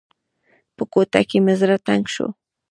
په کوټه کې مې زړه تنګ شو.